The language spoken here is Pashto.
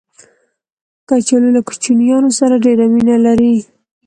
کچالو له کوچنیانو سره ډېر مینه لري